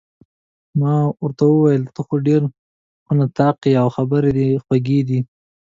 ما ورته وویل: ته خو ډېر ښه نطاق يې، او خبرې دې خوږې دي.